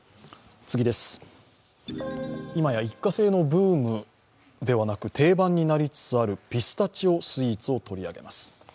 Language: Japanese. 今や一過性のブームではなく定番になりつつあるピスタチオスイーツを取り上げます。